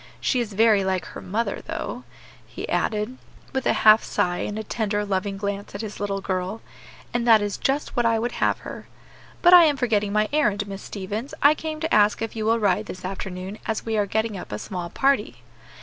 She is very like her mother, though," he added, with a half sigh and a tender, loving glance at his little girl, "and that is just what I would have her. But I am forgetting my errand, Miss Stevens; I came to ask if you will ride this afternoon, as we are getting up a small party."